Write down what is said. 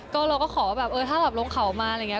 ก็เราก็ขอแบบเออถ้าแบบลงเขามาอะไรอย่างนี้